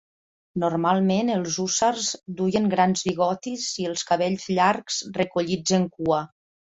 Normalment els hússars duien grans bigotis i els cabells llargs recollits en cua.